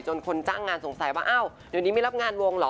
คนจ้างงานสงสัยว่าอ้าวเดี๋ยวนี้ไม่รับงานวงเหรอ